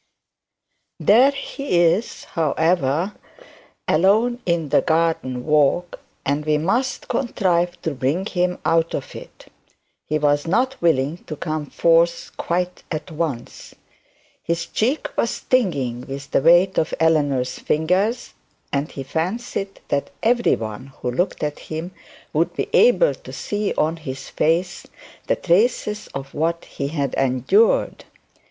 There he is, however, alone on the garden walk, and we must contrive to bring him out of it. He was not willing to come forth quite at once. His cheek was stinging with the weight of Eleanor's fingers, and he fancied that every one who looked at him would be able to see on his face the traces of what he had endured.